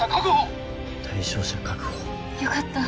よかった。